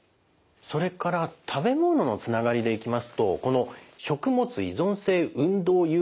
それから食べ物のつながりでいきますとこの食物依存性運動誘発アナフィラキシー。